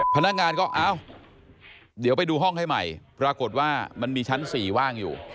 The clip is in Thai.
พนักงานก็อ้าวเดี๋ยวไปดูห้องให้ใหม่ปรากฏว่ามันมีชั้น๔ว่างอยู่